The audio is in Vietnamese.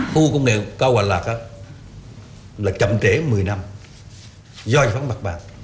khu công nghệ cao hòa lạc là chậm trễ một mươi năm do giải phóng mặt bằng